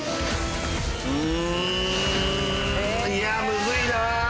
うんいやむずいな。